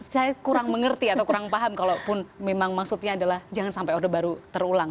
saya kurang mengerti atau kurang paham kalaupun memang maksudnya adalah jangan sampai orde baru terulang